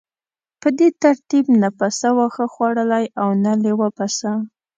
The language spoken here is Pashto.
په دې ترتیب نه پسه واښه خوړلی او نه لیوه پسه.